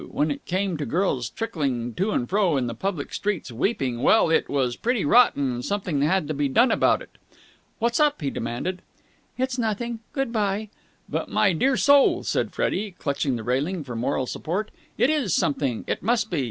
When it came to girls trickling to and fro in the public streets, weeping, well, it was pretty rotten and something had to be done about it. "What's up?" he demanded. "It's nothing. Good bye." "But, my dear old soul," said Freddie, clutching the railing for moral support, "it is something. It must be!